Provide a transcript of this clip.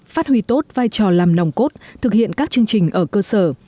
phát huy tốt vai trò làm nòng cốt thực hiện các chương trình ở cơ sở